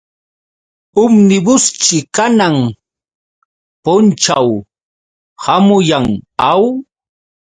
Umnibusćhi kanan punćhaw hamuyan, ¿aw?